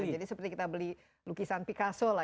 jadi seperti kita beli lukisan picasso lah